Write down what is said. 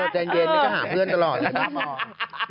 แจนเย็นก็หาเพื่อนตลอด